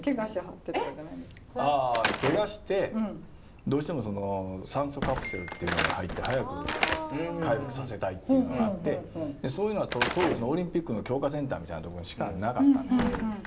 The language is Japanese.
あケガしてどうしても酸素カプセルっていうのに入って早く回復させたいっていうのがあってそういうのって当時オリンピックの強化センターみたいなところにしかなかったんですよ。